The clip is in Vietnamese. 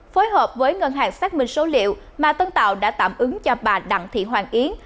phối hợp với ngân hàng xác minh số liệu mà tân tạo đã tạm ứng cho bà đặng thị hoàng yến